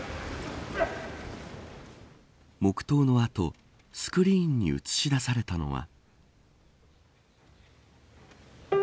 黙とうの後スクリーンに映し出されたのは。